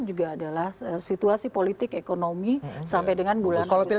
juga adalah situasi politik ekonomi sampai dengan bulan agustus